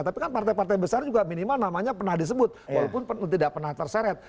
tapi kan partai partai besar juga minimal namanya pernah disebut walaupun tidak pernah terseret